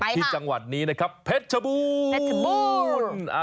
ที่จังหวัดนี้นะครับเพชรชบูรณเพชรบูรณ์